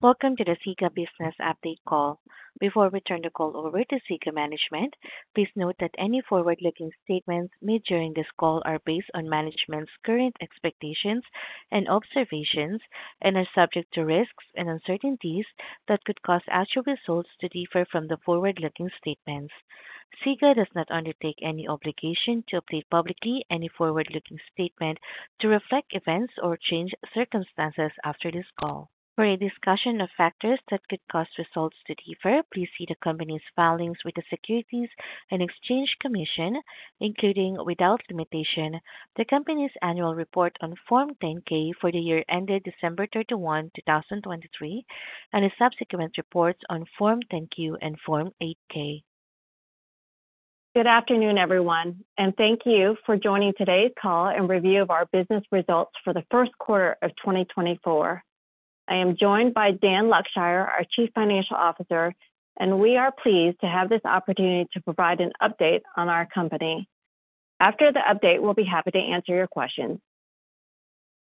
Welcome to the SIGA Business Update Call. Before we turn the call over to SIGA management, please note that any forward-looking statements made during this call are based on management's current expectations and observations and are subject to risks and uncertainties that could cause actual results to differ from the forward-looking statements. SIGA does not undertake any obligation to update publicly any forward-looking statement to reflect events or change circumstances after this call. For a discussion of factors that could cause results to differ, please see the Company's filings with the Securities and Exchange Commission, including, without limitation, the Company's annual report on Form 10-K for the year ended December 31, 2023, and its subsequent reports on Form 10-Q and Form 8-K. Good afternoon, everyone, and thank you for joining today's call and review of our business results for the first quarter of 2024. I am joined by Daniel Luckshire, our Chief Financial Officer, and we are pleased to have this opportunity to provide an update on our company. After the update, we'll be happy to answer your questions.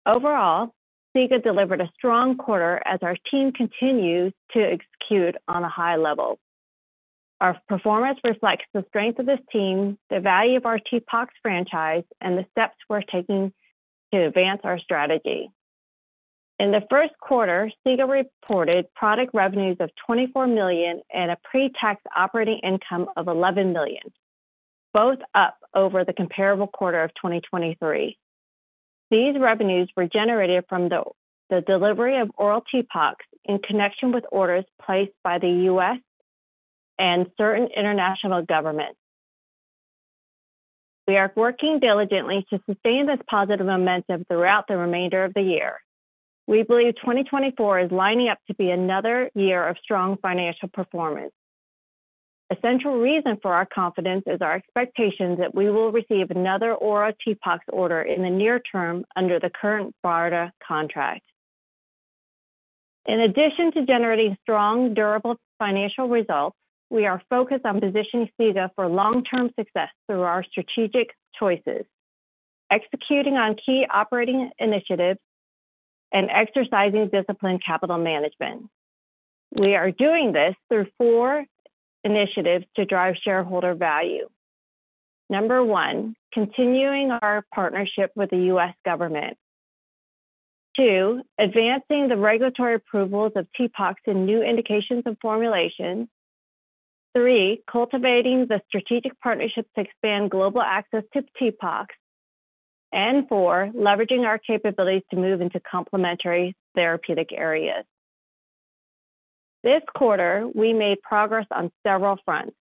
Overall, SIGA delivered a strong quarter as our team continues to execute on a high level. Our performance reflects the strength of this team, the value of our TPOXX franchise, and the steps we're taking to advance our strategy. In the first quarter, SIGA reported product revenues of $24 million and a pre-tax operating income of $11 million, both up over the comparable quarter of 2023. These revenues were generated from the delivery of oral TPOXX in connection with orders placed by the U.S. and certain international governments. We are working diligently to sustain this positive momentum throughout the remainder of the year. We believe 2024 is lining up to be another year of strong financial performance. The essential reason for our confidence is our expectation that we will receive another oral TPOXX order in the near term under the current BARDA contract. In addition to generating strong, durable financial results, we are focused on positioning SIGA for long-term success through our strategic choices, executing on key operating initiatives, and exercising disciplined capital management. We are doing this through four initiatives to drive shareholder value. Number 1, continuing our partnership with the U.S. government. Two, advancing the regulatory approvals of TPOXX in new indications and formulations. Three, cultivating the strategic partnerships to expand global access to TPOXX. And four, leveraging our capabilities to move into complementary therapeutic areas. This quarter, we made progress on several fronts.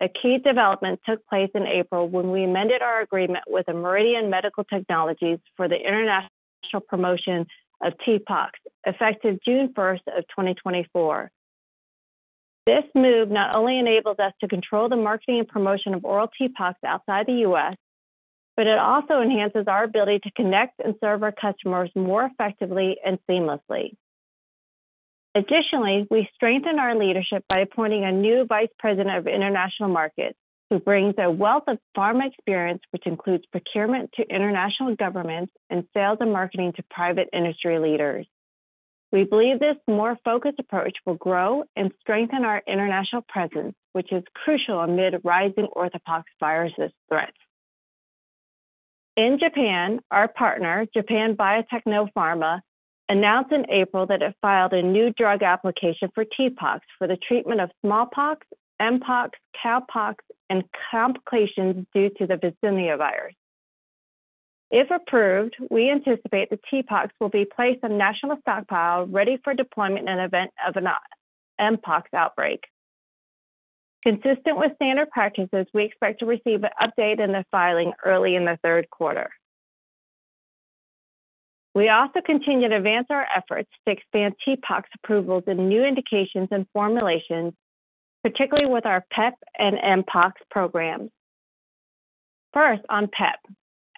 A key development took place in April when we amended our agreement with Meridian Medical Technologies for the international promotion of TPOXX, effective June first, 2024. This move not only enables us to control the marketing and promotion of oral TPOXX outside the U.S., but it also enhances our ability to connect and serve our customers more effectively and seamlessly. Additionally, we strengthened our leadership by appointing a new Vice President of International Markets, who brings a wealth of pharma experience, which includes procurement to international governments and sales and marketing to private industry leaders. We believe this more focused approach will grow and strengthen our international presence, which is crucial amid rising orthopoxvirus threats. In Japan, our partner, Japan Biotechno Pharma, announced in April that it filed a new drug application for TPOXX for the treatment of smallpox, mpox, cowpox, and complications due to the vaccinia virus. If approved, we anticipate the TPOXX will be placed in national stockpile, ready for deployment in event of an mpox outbreak. Consistent with standard practices, we expect to receive an update in the filing early in the third quarter. We also continue to advance our efforts to expand TPOXX approvals in new indications and formulations, particularly with our PEP and mpox programs. First, on PEP.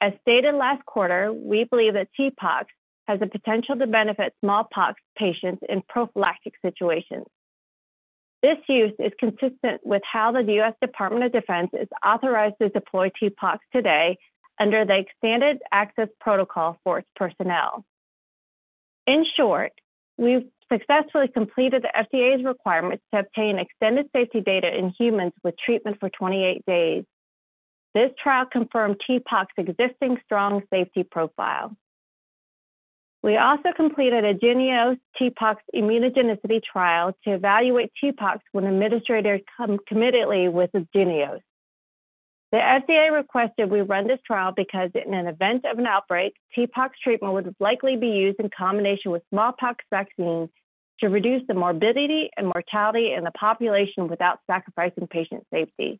As stated last quarter, we believe that TPOXX has the potential to benefit smallpox patients in prophylactic situations. This use is consistent with how the U.S. Department of Defense has authorized to deploy TPOXX today under the expanded access protocol for its personnel. In short, we've successfully completed the FDA's requirements to obtain extended safety data in humans with treatment for 28 days. This trial confirmed TPOXX's existing strong safety profile. We also completed a JYNNEOS TPOXX immunogenicity trial to evaluate TPOXX when administered concomitantly with the JYNNEOS. The FDA requested we run this trial because in an event of an outbreak, TPOXX treatment would likely be used in combination with smallpox vaccines to reduce the morbidity and mortality in the population without sacrificing patient safety.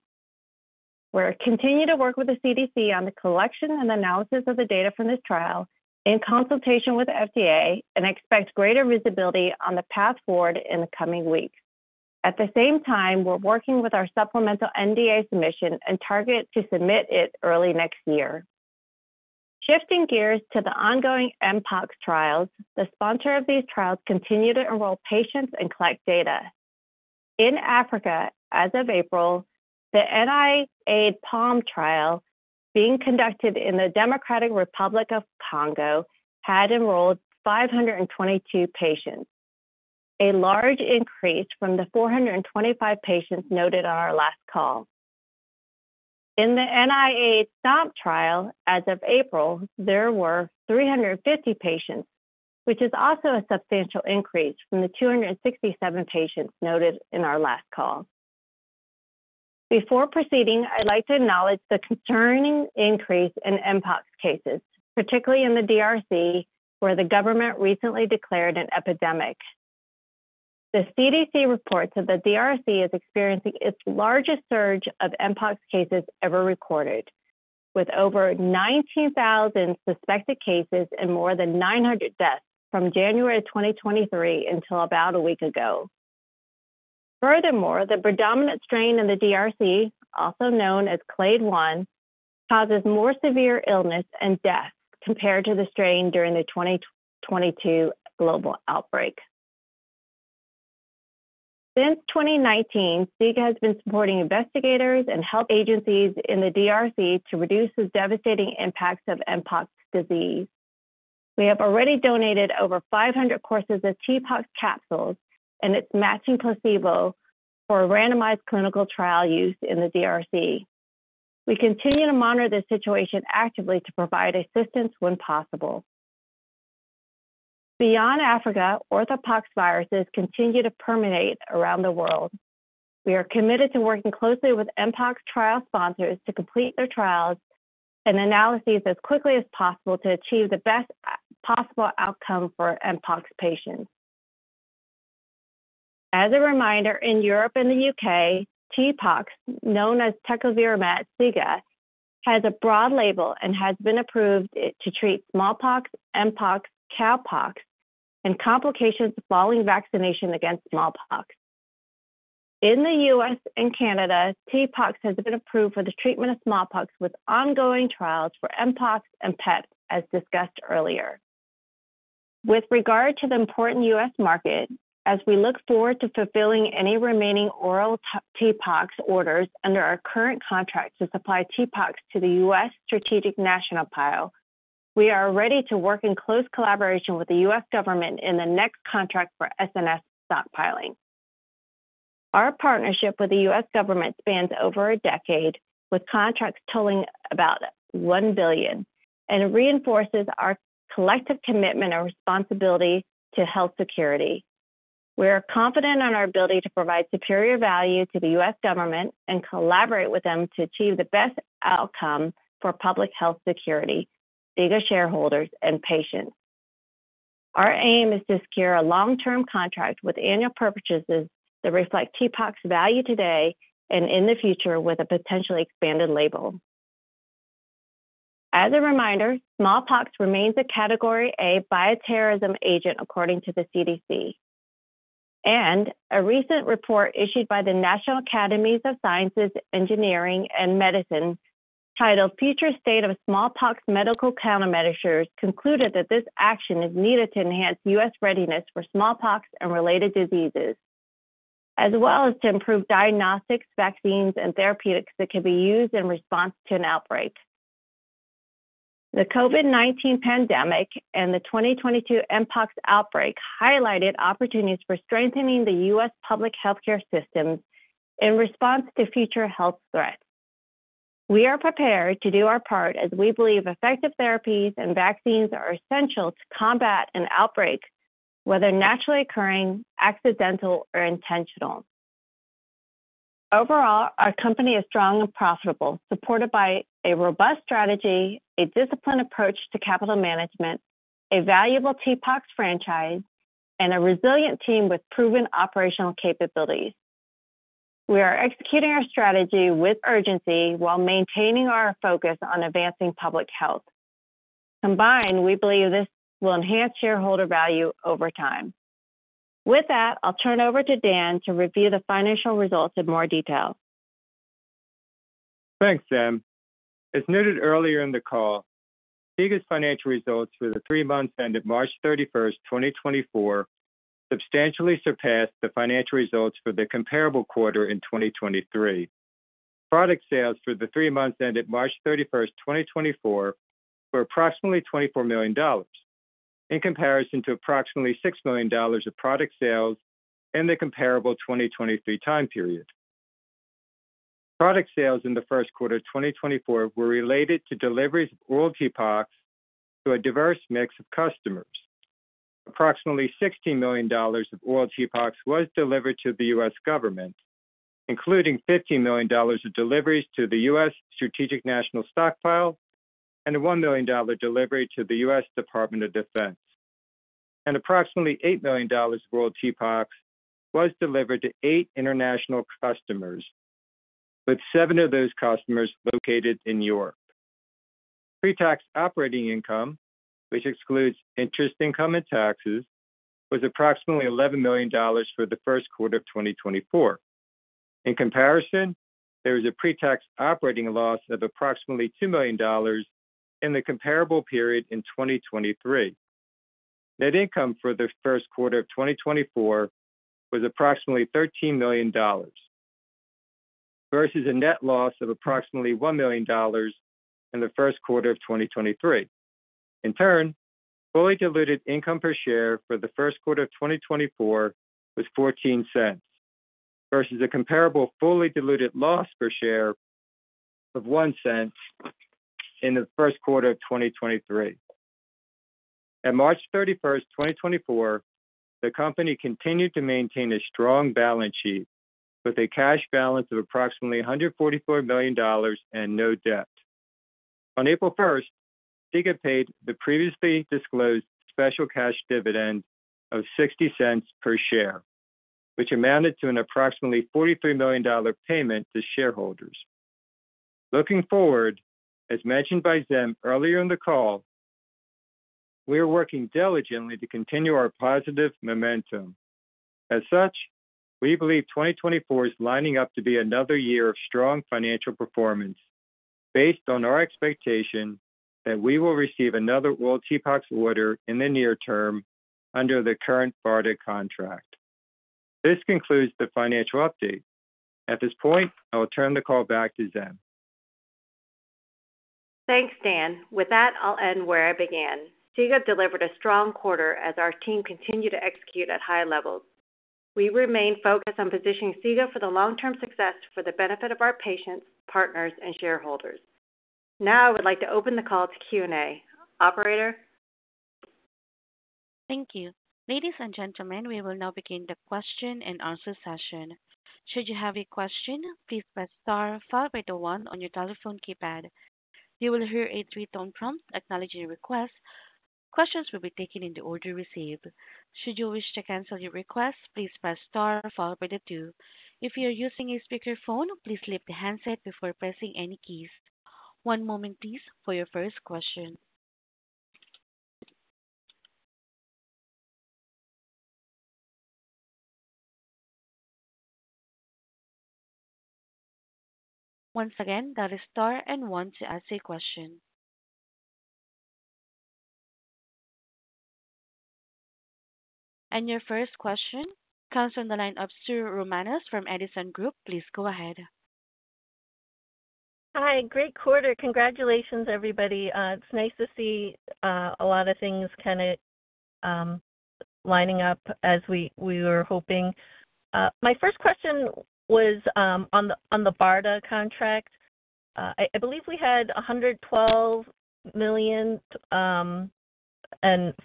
We'll continue to work with the CDC on the collection and analysis of the data from this trial, in consultation with the FDA, and expect greater visibility on the path forward in the coming weeks. At the same time, we're working with our supplemental NDA submission and target to submit it early next year. Shifting gears to the ongoing mpox trials, the sponsor of these trials continue to enroll patients and collect data. In Africa, as of April, the NIAID PALM trial being conducted in the Democratic Republic of the Congo had enrolled 522 patients, a large increase from the 425 patients noted on our last call. In the NIAID STOMP trial, as of April, there were 350 patients, which is also a substantial increase from the 267 patients noted in our last call. Before proceeding, I'd like to acknowledge the concerning increase in mpox cases, particularly in the DRC, where the government recently declared an epidemic. The CDC reports that the DRC is experiencing its largest surge of mpox cases ever recorded, with over 19,000 suspected cases and more than 900 deaths from January 2023 until about a week ago. Furthermore, the predominant strain in the DRC, also known as Clade I, causes more severe illness and deaths compared to the strain during the 2022 global outbreak. Since 2019, SIGA has been supporting investigators and health agencies in the DRC to reduce the devastating impacts of mpox disease. We have already donated over 500 courses of TPOXX capsules and its matching placebo for a randomized clinical trial used in the DRC. We continue to monitor the situation actively to provide assistance when possible. Beyond Africa, orthopoxviruses continue to permeate around the world. We are committed to working closely with mpox trial sponsors to complete their trials and analyses as quickly as possible to achieve the best possible outcome for mpox patients. As a reminder, in Europe and the U.K., TPOXX, known as Tecovirimat SIGA, has a broad label and has been approved to treat smallpox, mpox, cowpox, and complications following vaccination against smallpox. In the U.S. and Canada, TPOXX has been approved for the treatment of smallpox, with ongoing trials for mpox and PEP, as discussed earlier. With regard to the important U.S. market, as we look forward to fulfilling any remaining oral TPOXX orders under our current contract to supply TPOXX to the U.S. Strategic National Stockpile, we are ready to work in close collaboration with the U.S. government in the next contract for SNS stockpiling. Our partnership with the U.S. government spans over a decade, with contracts totaling about $1 billion, and it reinforces our collective commitment and responsibility to health security. We are confident in our ability to provide superior value to the U.S. government and collaborate with them to achieve the best outcome for public health security, SIGA shareholders, and patients. Our aim is to secure a long-term contract with annual purchases that reflect TPOXX value today and in the future, with a potentially expanded label. As a reminder, smallpox remains a Category A bioterrorism agent, according to the CDC. A recent report issued by the National Academies of Sciences, Engineering, and Medicine, titled Future State of Smallpox Medical Countermeasures, concluded that this action is needed to enhance U.S. readiness for smallpox and related diseases, as well as to improve diagnostics, vaccines, and therapeutics that can be used in response to an outbreak. The COVID-19 pandemic and the 2022 mpox outbreak highlighted opportunities for strengthening the U.S. public healthcare systems in response to future health threats. We are prepared to do our part, as we believe effective therapies and vaccines are essential to combat an outbreak, whether naturally occurring, accidental or intentional. Overall, our company is strong and profitable, supported by a robust strategy, a disciplined approach to capital management, a valuable TPOXX franchise, and a resilient team with proven operational capabilities. We are executing our strategy with urgency while maintaining our focus on advancing public health. Combined, we believe this will enhance shareholder value over time. With that, I'll turn it over to Dan to review the financial results in more detail. Thanks, Diem. As noted earlier in the call, SIGA's financial results for the 3 months ended March 31, 2024, substantially surpassed the financial results for the comparable quarter in 2023. Product sales for the 3 months ended March 31, 2024, were approximately $24 million, in comparison to approximately $6 million of product sales in the comparable 2023 time period. Product sales in the first quarter of 2024 were related to deliveries of oral TPOXX to a diverse mix of customers. Approximately $60 million of oral TPOXX was delivered to the U.S. government, including $15 million of deliveries to the U.S. Strategic National Stockpile and a $1 million delivery to the U.S. Department of Defense. Approximately $8 million of oral TPOXX was delivered to 8 international customers, with 7 of those customers located in Europe. Pre-tax operating income, which excludes interest income and taxes, was approximately $11 million for the first quarter of 2024. In comparison, there was a pre-tax operating loss of approximately $2 million in the comparable period in 2023. Net income for the first quarter of 2024 was approximately $13 million, versus a net loss of approximately $1 million in the first quarter of 2023. In turn, fully diluted income per share for the first quarter of 2024 was $0.14, versus a comparable fully diluted loss per share of $0.01 in the first quarter of 2023. At March 31, 2024, the company continued to maintain a strong balance sheet with a cash balance of approximately $144 million and no debt. On April first, SIGA paid the previously disclosed special cash dividend of $0.60 per share, which amounted to an approximately $43 million payment to shareholders. Looking forward, as mentioned by Diem earlier in the call, we are working diligently to continue our positive momentum. As such, we believe 2024 is lining up to be another year of strong financial performance, based on our expectation that we will receive another oral TPOXX order in the near term under the current BARDA contract. This concludes the financial update. At this point, I will turn the call back to Diem. Thanks, Dan. With that, I'll end where I began. SIGA delivered a strong quarter as our team continued to execute at high levels. We remain focused on positioning SIGA for the long-term success for the benefit of our patients, partners, and shareholders. Now, I would like to open the call to Q&A. Operator? Thank you. Ladies and gentlemen, we will now begin the question-and-answer session. Should you have a question, please press star followed by the one on your telephone keypad. You will hear a three-tone prompt acknowledging your request. Questions will be taken in the order received. Should you wish to cancel your request, please press star followed by the two. If you are using a speakerphone, please lift the handset before pressing any keys. One moment please, for your first question. Once again, that is star and one to ask a question. And your first question comes from the line of Soo Romanoff from Edison Group. Please go ahead. Hi, great quarter. Congratulations, everybody. It's nice to see a lot of things kind of lining up as we were hoping. My first question was on the BARDA contract. I believe we had $112 million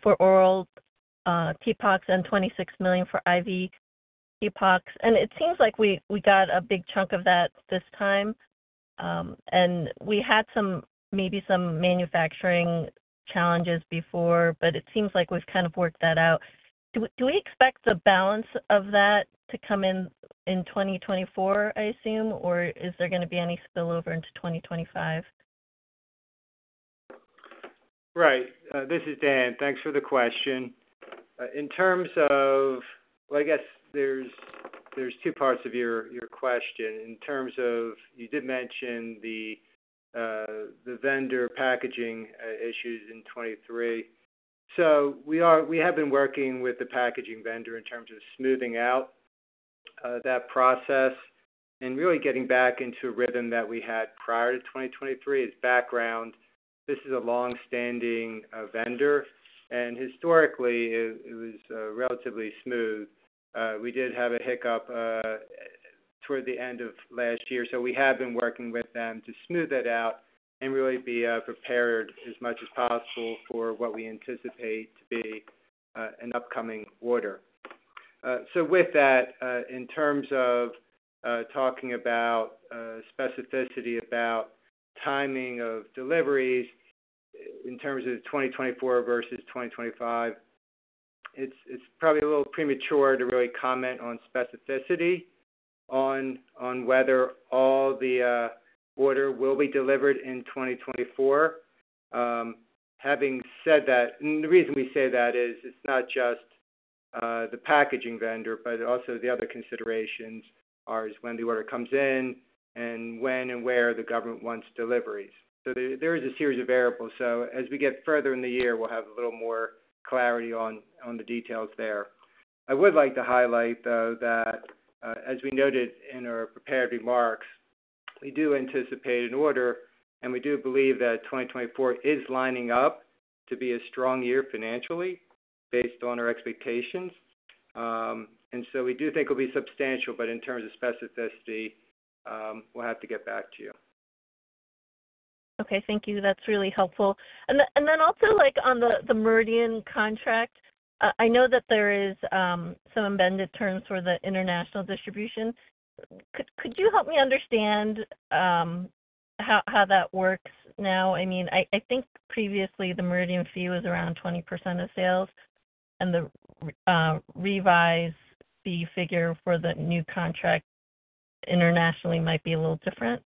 for oral TPOXX, and $26 million for IV TPOXX. It seems like we got a big chunk of that this time. We had some maybe some manufacturing challenges before, but it seems like we've kind of worked that out. Do we expect the balance of that to come in 2024, I assume, or is there going to be any spillover into 2025? Right. This is Dan. Thanks for the question. Well, I guess there's two parts of your question. In terms of, you did mention the vendor packaging issues in 2023. So we have been working with the packaging vendor in terms of smoothing out that process and really getting back into a rhythm that we had prior to 2023. As background, this is a long-standing vendor, and historically, it was relatively smooth. We did have a hiccup toward the end of last year, so we have been working with them to smooth that out and really be prepared as much as possible for what we anticipate to be an upcoming order. So with that, in terms of talking about specificity about timing of deliveries in terms of 2024 versus 2025, it's probably a little premature to really comment on specificity on whether all the order will be delivered in 2024. Having said that, and the reason we say that is it's not just the packaging vendor, but also the other considerations is when the order comes in and when and where the government wants deliveries. So there is a series of variables. So as we get further in the year, we'll have a little more clarity on the details there. I would like to highlight, though, that, as we noted in our prepared remarks, we do anticipate an order, and we do believe that 2024 is lining up to be a strong year financially, based on our expectations. And so we do think it'll be substantial, but in terms of specificity, we'll have to get back to you. Okay. Thank you. That's really helpful. And then also, like on the Meridian contract, I know that there is some amended terms for the international distribution. Could you help me understand how that works now? I mean, I think previously the Meridian fee was around 20% of sales, and the revised fee figure for the new contract internationally might be a little different.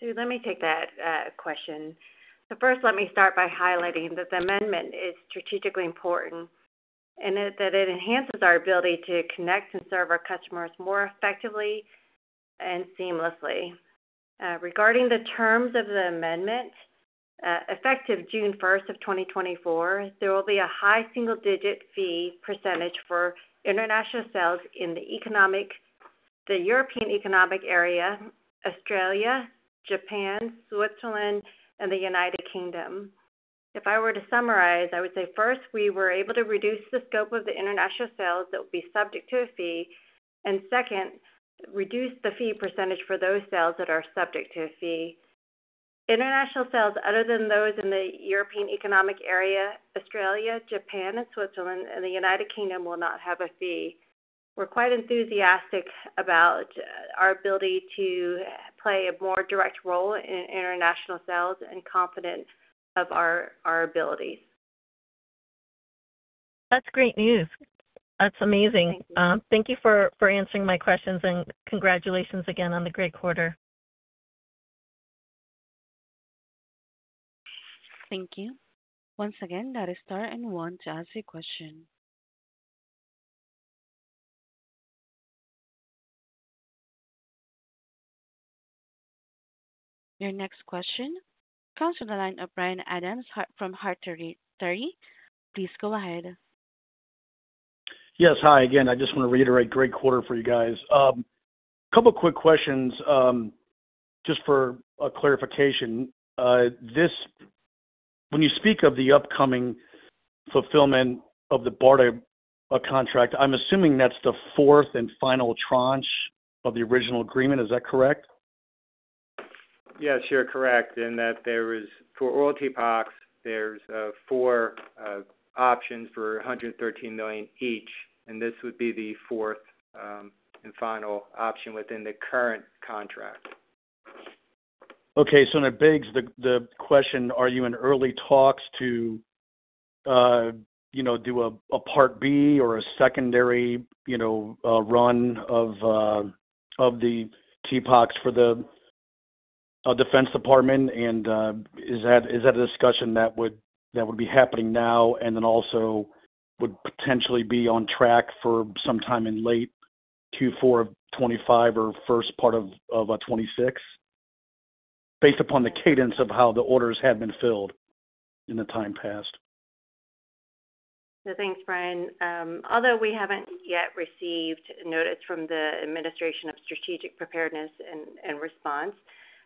Sue, let me take that question. First, let me start by highlighting that the amendment is strategically important, and it, that it enhances our ability to connect and serve our customers more effectively and seamlessly. Regarding the terms of the amendment, effective June first of 2024, there will be a high single-digit fee percentage for international sales in the European Economic Area, Australia, Japan, Switzerland, and the United Kingdom. If I were to summarize, I would say, first, we were able to reduce the scope of the international sales that would be subject to a fee, and second, reduce the fee percentage for those sales that are subject to a fee. International sales other than those in the European Economic Area, Australia, Japan, and Switzerland, and the United Kingdom will not have a fee. We're quite enthusiastic about our ability to play a more direct role in international sales and confident of our abilities. That's great news. That's amazing. Thank you. Thank you for answering my questions, and congratulations again on the great quarter. Thank you. Once again, that is star one to ask a question. Your next question comes from the line of Brian Adams from Carter, Terry & Company. Please go ahead. Yes, hi again. I just want to reiterate, great quarter for you guys. Couple quick questions. Just for clarification, this, when you speak of the upcoming fulfillment of the BARDA contract, I'm assuming that's the fourth and final tranche of the original agreement. Is that correct? Yes, you're correct in that there is, for oral TPOXX, there's 4 options for $113 million each, and this would be the fourth and final option within the current contract. Okay, then it begs the question: Are you in early talks to, you know, do a part B or a secondary, you know, run of the TPOXX for the Defense Department? And, is that a discussion that would be happening now and then also would potentially be on track for sometime in late Q4 of 2025 or first part of 2026, based upon the cadence of how the orders have been filled in the time past? So thanks, Brian. Although we haven't yet received notice from the Administration for Strategic Preparedness and Response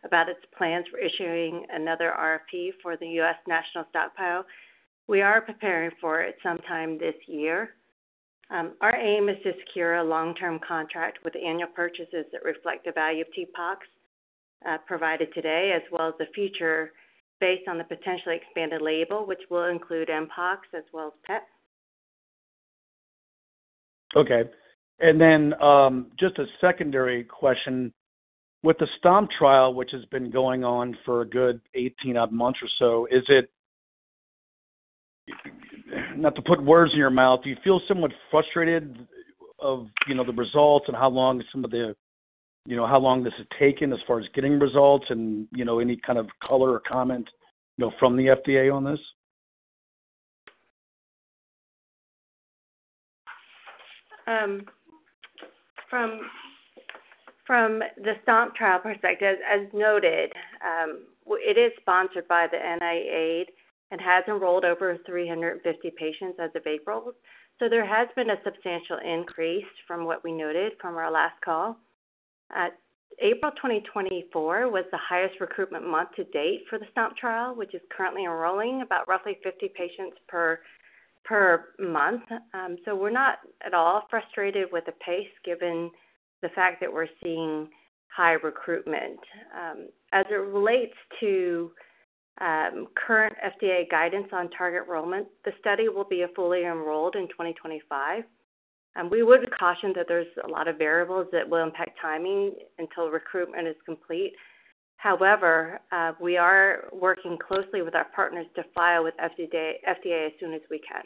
about its plans for issuing another RFP for the Strategic National Stockpile, we are preparing for it sometime this year. Our aim is to secure a long-term contract with annual purchases that reflect the value of TPOXX provided today, as well as the future, based on the potentially expanded label, which will include mpox as well as PEP. Okay. And then, just a secondary question: With the STOMP trial, which has been going on for a good 18 odd months or so, is it... Not to put words in your mouth, do you feel somewhat frustrated of, you know, the results and how long some of the, you know, how long this has taken as far as getting results and, you know, any kind of color or comment, you know, from the FDA on this? From the STOMP trial perspective, as noted, it is sponsored by the NIAID and has enrolled over 350 patients as of April. So there has been a substantial increase from what we noted from our last call. April 2024 was the highest recruitment month to date for the STOMP trial, which is currently enrolling about roughly 50 patients per month. So we're not at all frustrated with the pace, given the fact that we're seeing high recruitment. As it relates to current FDA guidance on target enrollment, the study will be fully enrolled in 2025. We would caution that there's a lot of variables that will impact timing until recruitment is complete. However, we are working closely with our partners to file with FDA as soon as we can.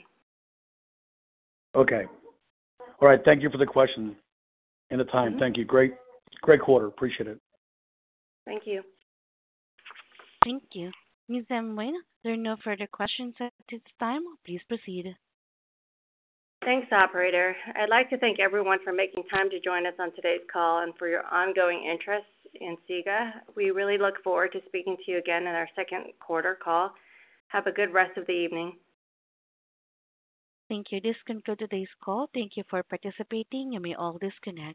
Okay. All right. Thank you for the question and the time. Thank you. Great, great quarter. Appreciate it. Thank you. Thank you. Ms. Diem, there are no further questions at this time. Please proceed. Thanks, operator. I'd like to thank everyone for making time to join us on today's call and for your ongoing interest in SIGA. We really look forward to speaking to you again in our second quarter call. Have a good rest of the evening. Thank you. This concludes today's call. Thank you for participating, and you may all disconnect.